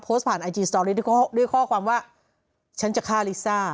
ผ่านไอจีสตอรี่ด้วยข้อความว่าฉันจะฆ่าลิซ่า